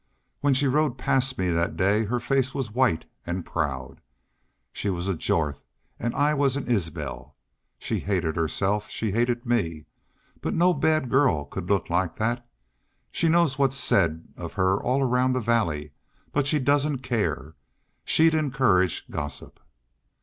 When she rode past me that day her face was white and proud. She was a Jorth and I was an Isbel. She hated herself she hated me. But no bad girl could look like that. She knows what's said of her all around the valley. But she doesn't care. She'd encourage gossip."